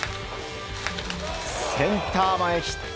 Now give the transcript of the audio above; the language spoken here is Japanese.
センター前ヒット。